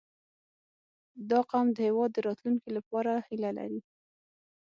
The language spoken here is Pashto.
• دا قوم د هېواد د راتلونکي لپاره هیله لري.